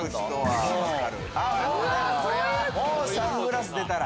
サングラス出たら。